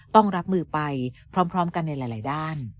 ต้องรับมือไปพร้อมกันในหลายด้าน